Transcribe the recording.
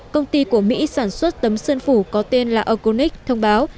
công ty của mỹ sản xuất tấm sơn phủ có tên là akonic thông báo